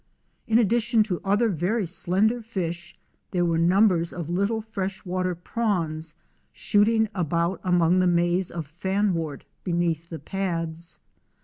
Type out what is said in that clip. In addition to other very slender fish, there were numbers of little fresh water prawns shooting about among the maze of fanwort beneath the pads.